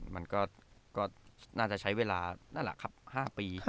มันก็น่าจะใช้เวลา๕ปี